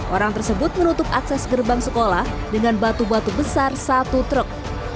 orang tersebut menutup akses gerbang sekolah dengan batu batu besar satu truk